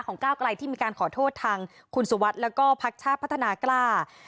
ก้าวไกลที่มีการขอโทษทางคุณสุวัสดิ์แล้วก็พักชาติพัฒนากล้า